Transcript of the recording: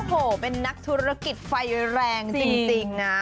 โอ้โหเป็นนักธุรกิจไฟแรงจริงนะ